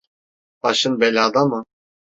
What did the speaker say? Başın belada mı?